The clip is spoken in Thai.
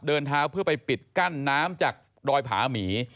เดินเท้าเพื่อไปปิดกั้นน้ำจากดอยผาหมี